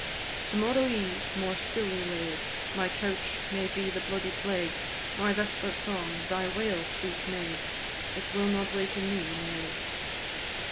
To morrow eve, more stilly laid, My couch may be the bloody plaid, My vesper song, thy wail, sweet maid! It will not waken me, Mary!